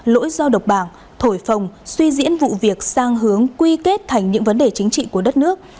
lỗi do độc bảng thổi phồng suy diễn vụ việc sang hướng quy kết thành những vấn đề chính trị của đất nước